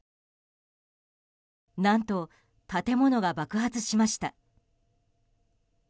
何と、建物が爆発しました。